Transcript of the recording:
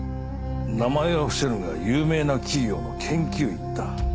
名前は伏せるが有名な企業の研究員だ。